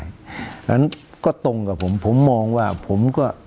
เพราะฉะนั้นก็ตรงกับผมผมมองว่าผมก็